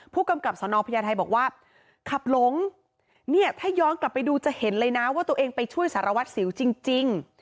ผู้กำกับสนพญาไทยบอกว่าขับหลงเนี่ยถ้าย้อนกลับไปดูจะเห็นเลยนะว่าตัวเองไปช่วยสารวัตรสิวจริง